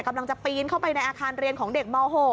กำลังจะปีนเข้าไปในอาคารเรียนของเด็กม๖